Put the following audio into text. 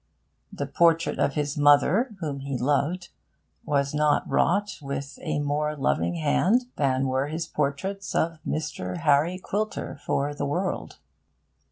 The portrait of his mother, whom he loved, was not wrought with a more loving hand than were his portraits of Mr. Harry Quilter for The World.